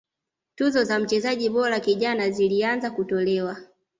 tuzo za mchezaji bora kijana zilianza kutolewa